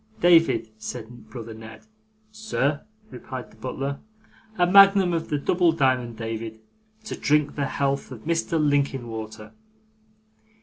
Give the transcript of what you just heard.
'David,' said brother Ned. 'Sir,' replied the butler. 'A magnum of the double diamond, David, to drink the health of Mr Linkinwater.